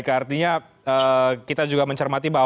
baik baik artinya kita juga mencermati bahwa